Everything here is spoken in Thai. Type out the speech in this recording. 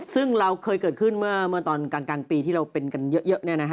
ซึ่งเราเคยเกิดขึ้นเมื่อตอนกลางปีที่เราเป็นกันเยอะ